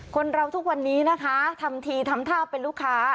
คนเราทุกวันนี้นะคะทำทีทำท่าเป็นลูกค้า